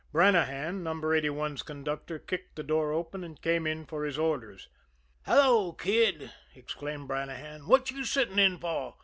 Brannahan, No. 81's conductor, kicked the door open, and came in for his orders. "Hello, Kid!" exclaimed Brannahan. "What you sitting in for?